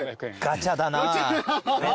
ガチャだなぁ。